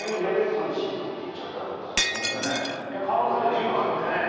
２００奪三振なんていっちゃったら、古田さん可能性出てきますよね。